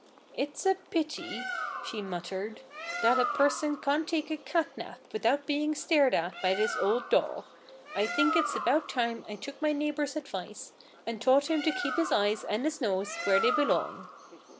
"It's a pity," she muttered, "that a person can't take a cat nap without being stared at by this old dog. I think it's about time I took my neighbor's advice and taught him to keep his eyes and his nose where they belong."